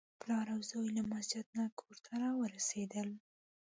پلار او زوی له مسجد نه کور ته راورسېدل.